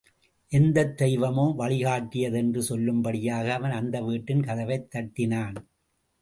எந்தத் தெய்வமோ வழிகாட்டியது என்று சொல்லும்படியாக, அவன் அந்த வீட்டின் கதவைத் தட்டினான்.